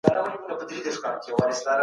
صدقه د زړه صفايي ده.